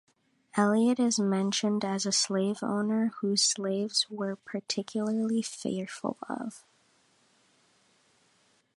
Elliott is mentioned as a slave owner whose slaves were particularly fearful of.